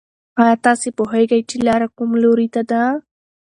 ایا تاسې پوهېږئ چې لاره کوم لوري ته ده؟